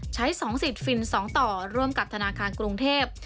ใช้๒สิทธิ์ฟิน๒ต่อร่วมกับธนาคารกรุงเทพ